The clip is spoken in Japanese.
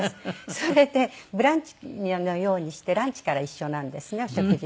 それでブランチのようにしてランチから一緒なんですねお食事。